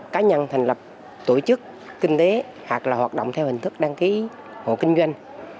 cá nhân thành lập tổ chức kinh tế hoặc là hoạt động theo hình thức đăng ký hộ kinh doanh